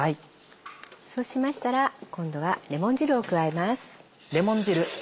そうしましたら今度はレモン汁を加えます。